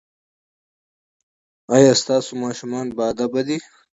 ایا ستاسو ماشومان باادبه دي؟